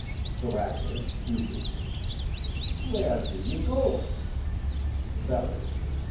THE WAGGONER. (Dubiously) Where be ye goin'? BELLEW.